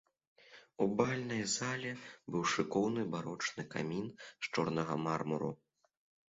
У бальнай зале быў шыкоўны барочны камін з чорнага мармуру.